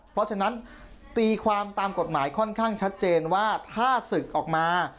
เพราะฉะนั้นตีความตามกฎหมายค่อนข้างชัดเจนว่าถ้าศึกออกมา